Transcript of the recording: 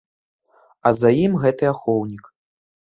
А за ім гэты ахоўнік.